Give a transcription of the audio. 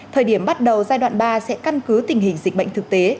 thời điểm bắt đầu giai đoạn ba sẽ căn cứ tình hình dịch bệnh thực tế